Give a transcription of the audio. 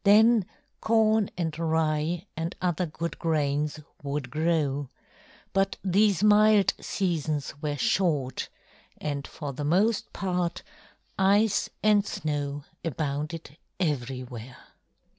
Then corn and rye and other good grains would grow; but these mild seasons were short, and for the most part ice and snow abounded everywhere.